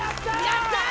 やったー！